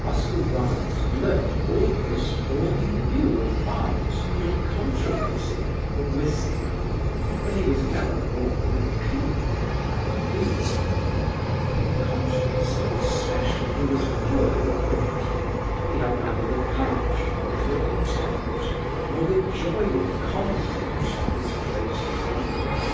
Oscar Wilde learned almost all he knew of art and of controversy from Whistler, but he was never more than a pupil in either field; for controversy in especial he was poorly equipped: he had neither the courage, nor the contempt, nor the joy in conflict of his great exemplar.